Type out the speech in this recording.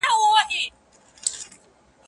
ايا په يوناني ژبه کې پوليس د ښار مانا لري؟